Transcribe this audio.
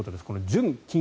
純金